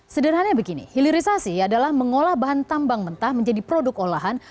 sederhananya begini hilirisasi adalah mengolah bahan tambang mentah menjadi produk olahan